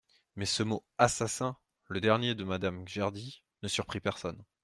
Mais ce mot «assassin», le dernier de Madame Gerdy, ne surprit personne.